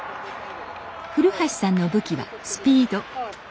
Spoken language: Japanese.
古橋さんの武器はスピード。